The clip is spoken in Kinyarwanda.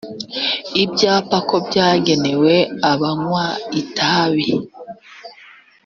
ibyapa ko kagenewe abanywa itabi